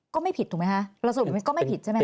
ก็ไม่ผิดถูกไหมคะเราสรุปก็ไม่ผิดใช่ไหมค